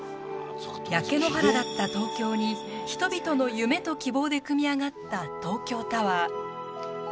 焼け野原だった東京に人々の夢と希望で組み上がった東京タワー。